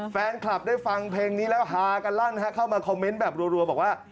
แฟนคลับได้ฟังเพลงนี้แล้วฮากันลั่นเข้ามาคอมเมนต์แบบรัวบอกว่า